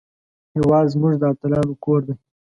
هېواد زموږ د اتلانو کور دی